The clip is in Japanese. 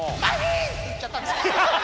って言っちゃったんですよ。